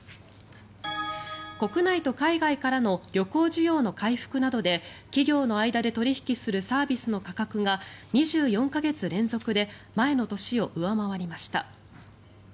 国内と海外からの旅行需要の回復などで企業の間で取引するサービスの価格が２４か月連続で前の年を上回りました。